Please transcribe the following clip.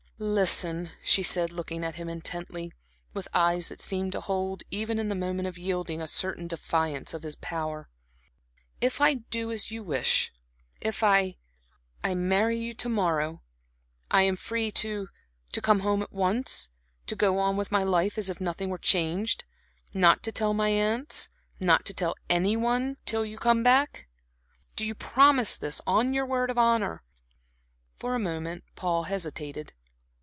"Listen," she said, looking at him intently, with eyes that seemed to hold, even in the moment of yielding, a certain defiance of his power, "If I do as you wish, if I I marry you to morrow, I am free to to come home at once, to go on with my life as if nothing were changed not to tell my aunts, not to tell any one, till you come back? Do you promise this, on your word of honor?" For a moment Paul hesitated.